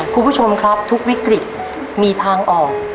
คุณผู้ชมครับทุกวิกฤตมีทางออก